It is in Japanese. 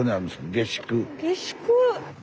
下宿。